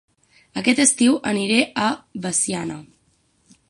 Aquest estiu aniré a Veciana